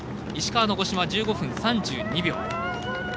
石川の五島は１５分３２秒。